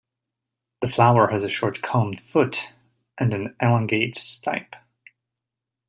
The flower has a short column foot and an elongate stipe.